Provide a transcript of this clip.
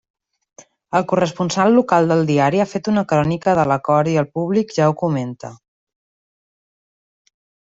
El corresponsal local del diari ha fet una crònica de l'acord i el públic ja ho comenta.